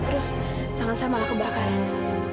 terus tangan saya malah kebakaran